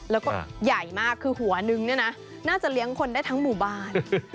แล้วก็ใหญ่มากคือหัวนึงเนี่ยนะน่าจะเลี้ยงคนได้ทั้งหมู่บ้าน